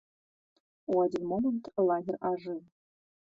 У адзін момант лагер ажыў.